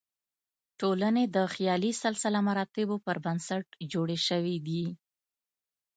ټولنې د خیالي سلسله مراتبو پر بنسټ جوړې شوې دي.